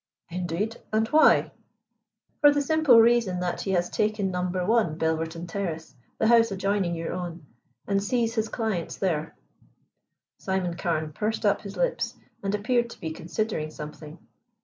"Indeed! And why?" "For the simple reason that he has taken No. 1, Belverton Terrace, the house adjoining your own, and sees his clients there." Simon Carne pursed up his lips, and appeared to be considering something.